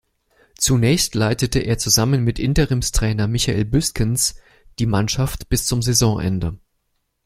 Zunächst leitete er zusammen mit Interimstrainer Michael Büskens die Mannschaft bis zum Saisonende.